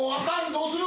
どうする？